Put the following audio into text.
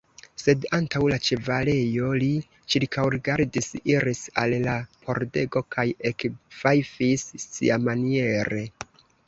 Sed antaŭ la ĉevalejo li ĉirkaŭrigardis, iris al la pordego kaj ekfajfis siamaniere.